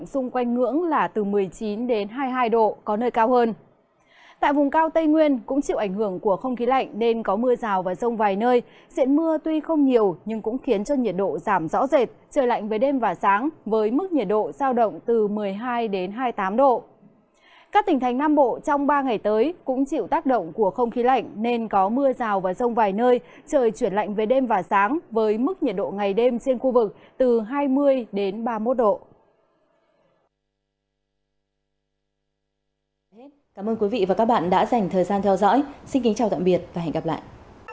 xin kính chào tạm biệt và hẹn gặp lại